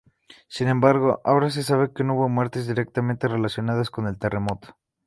Sin embargo, ahora se sabe que no hubo muertes directamente relacionadas con el terremoto.